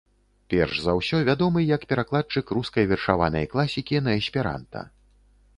Перш за ўсё вядомы як перакладчык рускай вершаванай класікі на эсперанта.